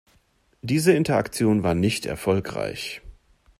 Diese Interaktion war nicht erfolgreich.